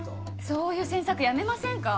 そういう詮索やめませんか？